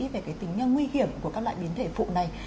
về cái tính nguy hiểm của các loại biến thể phụ này